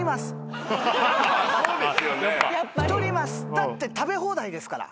だって食べ放題ですから。